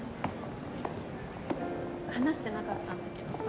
話してなかったんだけどさ。